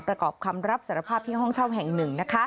ประกอบคำรับสารภาพที่ห้องเช่าแห่งหนึ่ง